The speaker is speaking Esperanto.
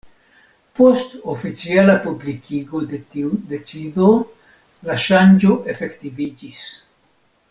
Post oficiala publikigo de tiu decido la ŝanĝo efektiviĝis.